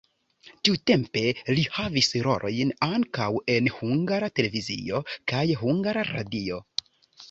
Tiutempe li havis rolojn ankaŭ en Hungara Televizio kaj Hungara Radio.